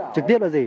trực tiếp là gì